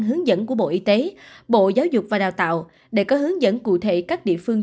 hướng dẫn của bộ y tế bộ giáo dục và đào tạo để có hướng dẫn cụ thể các địa phương